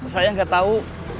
saya gak tahu